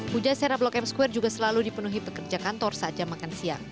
pujasera blok m square juga selalu dipenuhi pekerja kantor saja makan siang